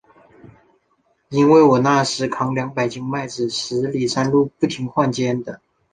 因为我那时候，扛两百斤麦子，十里山路不换肩的。